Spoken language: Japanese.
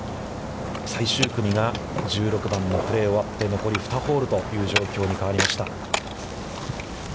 最終組が１６番のプレーを終わって、残り２ホールという状況に変わりました。